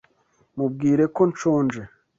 Mubwire ko nshonje.